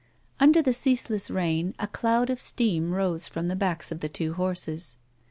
Under the ceaseless rain a cloud of steam rose from the backs of the two horses.